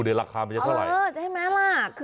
ในราคามันจะเท่าไหร่